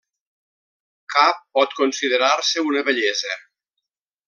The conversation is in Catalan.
Cap pot considerar-se una bellesa.